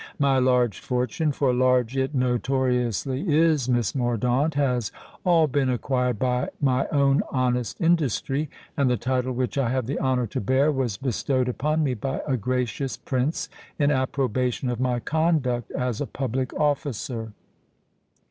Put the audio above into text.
"My large fortune—for large it notoriously is, Miss Mordaunt—has all been acquired by my own honest industry; and the title which I have the honour to bear, was bestowed upon me by a gracious Prince in approbation of my conduct as a public officer."